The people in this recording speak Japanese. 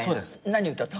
何歌った？